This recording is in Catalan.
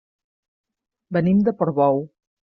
Venim de Portbou.